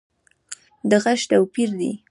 د غږ توپیر دی